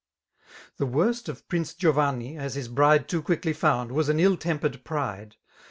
The worst of Prince G^vanni^ as his bride Too quickly found, was an ill tempered pride.